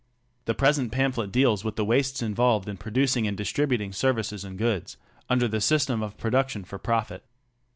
The present pamphlet deals with the wastes involved in producing and distributing services and goods under the system of production for profit.